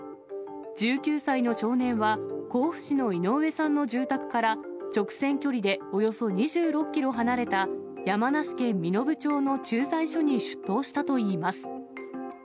１９歳の少年は、甲府市の井上さんの住宅から直線距離でおよそ２６キロ離れた、山梨県身延町の駐在所に出頭したといいます。